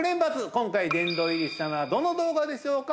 今回殿堂入りしたのはどの動画でしょうか？